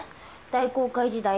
大航海時代